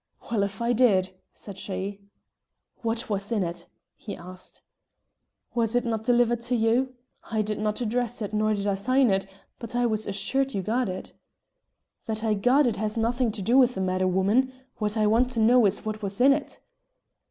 "Well, if I did!" said she. "What was in it?" he asked. "Was it not delivered Jo you? I did not address it nor did I sign it, but I was assured you got it." "That I got it has nothing to do with the matter, woman. What I want to know is what was in it?"